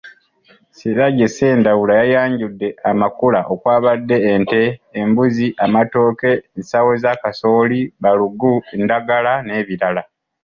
Siraje Ssendawula yayanjudde amakula okwabadde; ente, embuzi, amatooke, ensawo za kasooli, balugu, endagala n’ebirala.